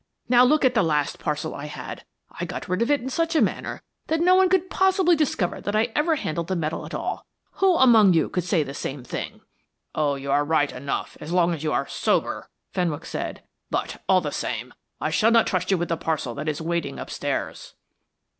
Now look at the last parcel I had, I got rid of it in such a manner that no one could possibly discover that I ever handled the metal at all. Who among you could say the same thing?" "Oh, you are right enough so long as you keep sober," Fenwick said. "But, all the same, I shall not trust you with the parcel that is waiting upstairs."